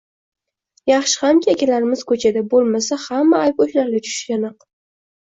Yaxshi hamki akalarimiz ko‘chada, bo‘lmasa, hamma ayb o‘shalarga tushishi aniq.